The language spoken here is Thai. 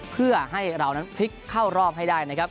เพื่อให้เรานั้นพลิกเข้ารอบให้ได้นะครับ